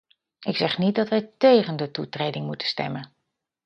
Ik zeg niet dat wij tegen de toetreding moeten stemmen.